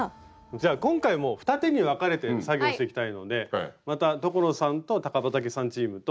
じゃあ今回も二手に分かれて作業をしていきたいのでまた所さんと高畠さんチームと。